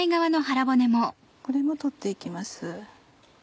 これも取って行きます。